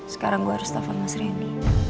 sekarang gue harus telfon mas rendy